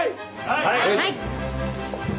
はい。